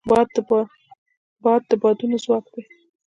باد د بادبانو ځواک دی